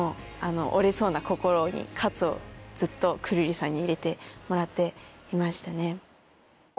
折れそうな心に喝をずっとくるりさんに入れてもらっていましたね。